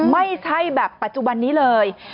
ไม่ใช่แบบปัจจุบันนี้เลย